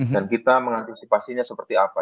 dan kita mengantisipasinya seperti apa